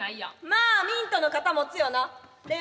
まあミントの肩持つよなレモンは。